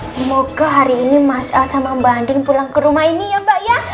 semoga hari ini mas sama mbak andin pulang ke rumah ini ya mbak ya